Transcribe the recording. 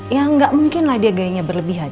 ya nggak mungkin lah dia gayanya berlebihan